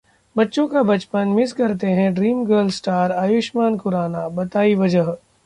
बच्चों का बचपन मिस करते हैं ड्रीम गर्ल स्टार आयुष्मान खुराना, बताई वजह